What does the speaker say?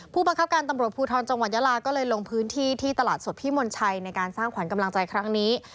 ผู้บังคับการตำรวจภูทรจังหวัดยาลาก็เลยลงพื้นที่ที่ตลาดสดพี่มนชัยในการสร้างขวัญกำลังใจครั้งนี้